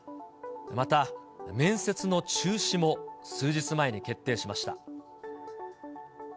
また、面接の中止も数日前に決定しました。